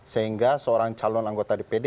sehingga seorang calon anggota dpd